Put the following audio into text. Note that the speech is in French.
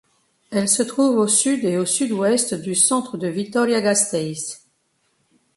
Elle se trouve au Sud et au Sud-Ouest du centre de Vitoria-Gasteiz.